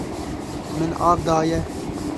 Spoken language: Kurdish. Min av daye.